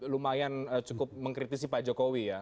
lumayan cukup mengkritisi pak jokowi ya